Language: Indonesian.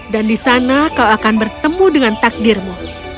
dan di sana kau akan bertemu dengan takdirmu